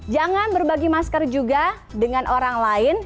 jangan berbagi masker juga dengan orang lain